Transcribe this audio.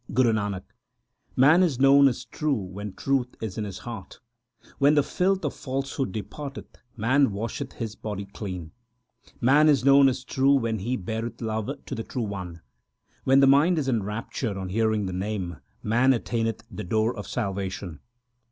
Guru Nanak Man is known as true when truth is in his heart ; When the filth of falsehood departeth, man washeth his body clean. Man is known as true when he beareth love to the True One ; When the mind is enraptured on hearing the Name, man attaineth the door of salvation.